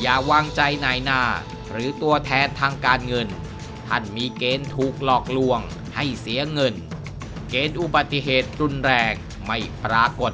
อย่าวางใจนายหน้าหรือตัวแทนทางการเงินท่านมีเกณฑ์ถูกหลอกลวงให้เสียเงินเกณฑ์อุบัติเหตุรุนแรงไม่ปรากฏ